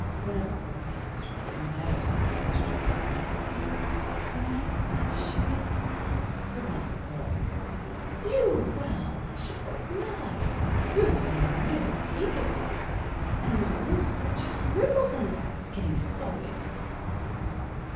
Whenever Pearlie asked that inevitable question of the fat woman: "Am I as fat as she is?" her mother always answered: "You! Well, I should hope not! You're looking real peaked lately, Pearlie. And your blue skirt just ripples in the back, it's getting so big for you."